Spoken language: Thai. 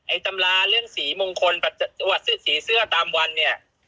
ไอ้ตำราเรื่องศรีมงคลหรือว่าศรีเสื้อตามวันเนี่ย